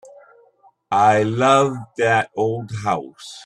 I love that old house.